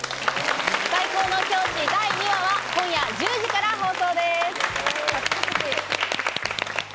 『最高の教師』第２話は今夜１０時から放送です。